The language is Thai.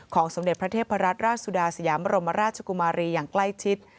สมเด็จพระเทพรัตนราชสุดาสยามรมราชกุมารีอย่างใกล้ชิด